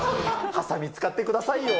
はさみ使ってくださいよ。